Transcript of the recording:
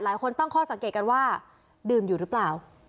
หลายคนตั้งข้อสังเกตกันว่าดื่มอยู่หรือเปล่า